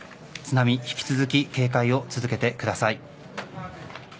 津波に引き続き警戒を続けてください。